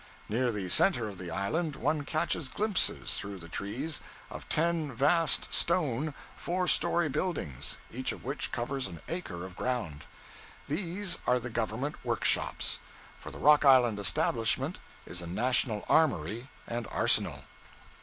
Near the center of the island one catches glimpses, through the trees, of ten vast stone four story buildings, each of which covers an acre of ground. These are the Government workshops; for the Rock Island establishment is a national armory and arsenal.